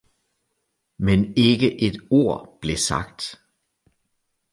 Men ikke et ord blev sagt